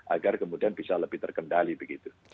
agar kemudian bisa lebih terkendali begitu